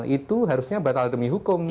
itu harusnya batal demi hukum